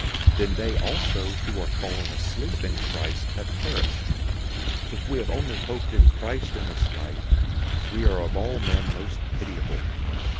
015:018 Then they also who are fallen asleep in Christ have perished. 015:019 If we have only hoped in Christ in this life, we are of all men most pitiable.